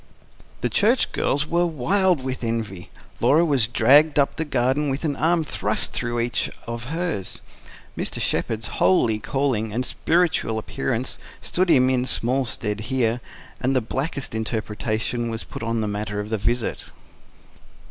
The Church girls were wild with envy. Laura was dragged up the garden with an arm thrust through each of hers. Mr. Shepherd's holy calling and spiritual appearance stood him in small stead here; and the blackest interpretation was put on the matter of the visit.